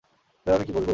Sir, আমি কি বসব?